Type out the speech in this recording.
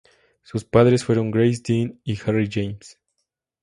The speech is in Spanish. Sus padres fueron Grace Dean y Harry James.